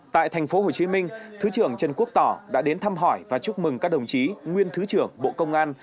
tại thành phố hồ chí minh thứ trưởng trần quốc tỏ đã đến thăm hỏi và chúc mừng các đồng chí nguyên thứ trưởng bộ công an